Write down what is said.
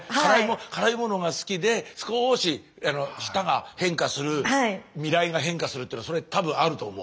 辛いものが好きで少し舌が変化する味蕾が変化するっていうのそれ多分あると思う。